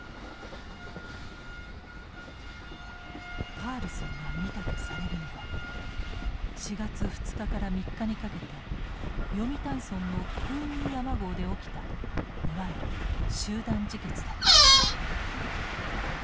カールソンが見たとされるのは４月２日から３日にかけて読谷村のクーニー山壕で起きたいわゆる集団自決だった。